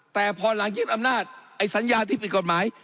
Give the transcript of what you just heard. แต่พอหลังยึดอำนาจไอ้สัญญาที่ผิดกฎหมาย